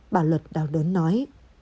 bà luật đau đớn nói